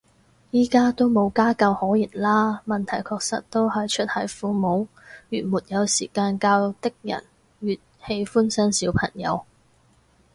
而家都冇家教可言啦，問題確實都是出在父母，越沒有時間教的人越喜歡生小朋友